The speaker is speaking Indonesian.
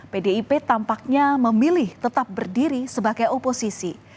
pdip tampaknya memilih tetap berdiri sebagai oposisi